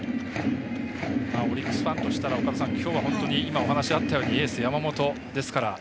オリックスファンとしたらきょうは本当に今お話があったようにエース山本ですから。